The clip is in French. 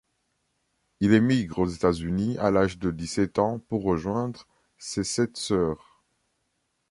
Il émigre aux États-Unis à l'âge de dix-sept ans pour rejoindre ses sept sœurs.